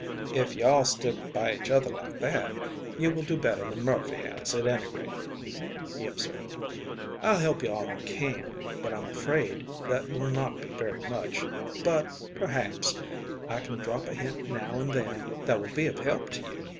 "If you all stick by each other like that, you will do better than Murphy has, at any rate," he observed. "I'll help you all I can, but I'm afraid that will not be very much, but, perhaps, I can drop a hint now and then that will be of help to you.